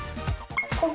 ここ？